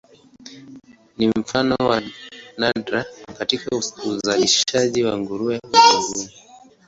Ni mfano wa nadra katika uzalishaji wa nguruwe ulimwenguni.